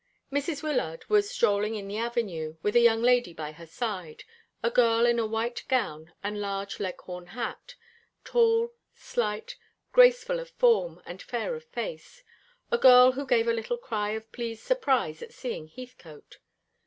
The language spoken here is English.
Mrs. Wyllard was strolling in the avenue, with a young lady by her side, a girl in a white gown and a large leghorn hat; tall, slight, graceful of form, and fair of face a girl who gave a little cry of pleased surprise at seeing Heathcote.